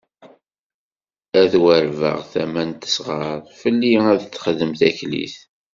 Ad warbeɣ tama n tesɣart, fell-i ad texdem taklit.